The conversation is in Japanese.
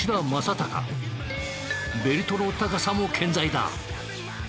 ベルトの高さも健在だ。